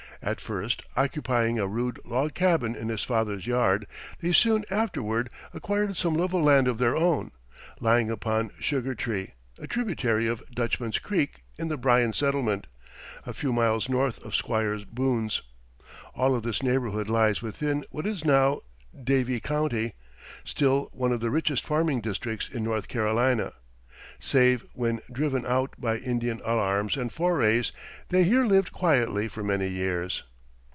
At first occupying a rude log cabin in his father's yard, they soon afterward acquired some level land of their own, lying upon Sugar Tree, a tributary of Dutchman's Creek, in the Bryan settlement, a few miles north of Squire Boone's. All of this neighborhood lies within what is now Davie County, still one of the richest farming districts in North Carolina. Save when driven out by Indian alarms and forays, they here lived quietly for many years.